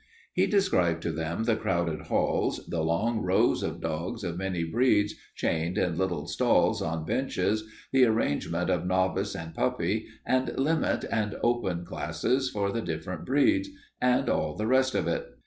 He described to them the crowded halls, the long rows of dogs of many breeds chained in little stalls on benches, the arrangement of novice and puppy and limit and open classes for the different breeds, and all the rest of it.